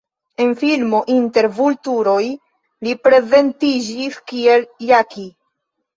En filmo Inter vulturoj li prezentiĝis kiel Jackie.